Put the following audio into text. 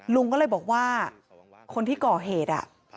ลุงก็เลยบอกว่าคนที่ก่อเหตุ